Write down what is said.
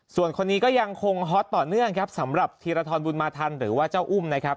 ส่วนคนนี้ก็ยังคงฮอตต่อเนื่องครับสำหรับธีรทรบุญมาทันหรือว่าเจ้าอุ้มนะครับ